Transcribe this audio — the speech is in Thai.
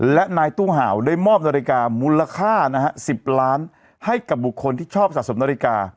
และนายตู้ห่าวได้มอบนาฬิกามูลค่านะฮะ๑๐ล้านให้กับบุคคลที่ชอบสะสมนาฬิกา